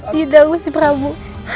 tidak mesti prabu